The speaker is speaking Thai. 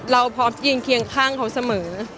เราพร้อมยืนเคียงข้างเขาเสมอ